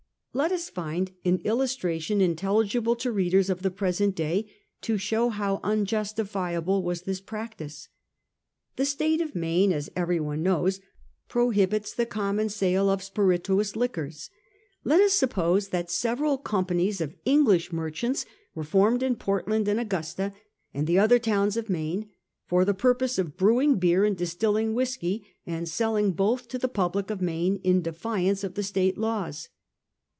Let us find an illustration intelligible to readers of the present day to show how unjustifiable was this practice. The State of Maine, as everyone knows, prohibits the common sale of spirituous liquors. Let us suppose that several companies of English merchants were formed in Portland and Augusta, and the other towns of Maine, for the pur pose of brewing beer and distilling whisky, and selling both to the public of Maine in defiance of the State laws.